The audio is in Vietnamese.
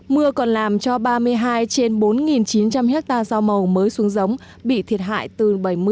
mưa còn làm cho ba mươi hai trên bốn chín trăm linh hectare rau màu mới xuống giống bị thiệt hại từ bảy mươi